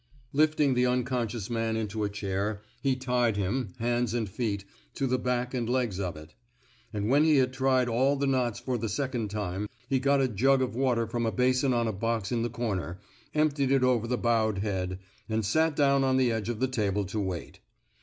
" Lifting the unconscious man into a chair, he tied him, hands and feet, to the back and legs of it. And when he had tried all the knots for the second time, he got a jug of water from a basin on a box in the comer, emptied it over the bowed head, and sat down on the edge of the table to wait.